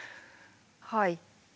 はい。